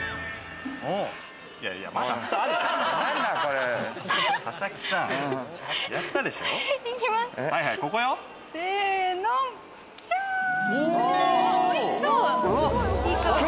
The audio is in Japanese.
おいしそう！